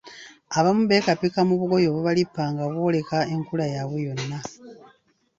Abamu beekapika obugoye obubalippa nga bw‘oleka enkula yaabwe yonna.